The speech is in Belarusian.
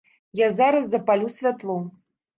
Я зараз запалю святло.